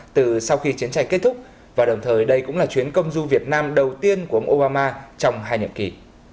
từ sau khi chiến tranh kết thúc và đồng thời đây cũng là chuyến công du việt nam đầu tiên của ông obama trong hai nhiệm kỳ